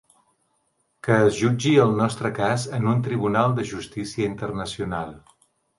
Que es jutgi el nostre cas en un tribunal de justícia internacional.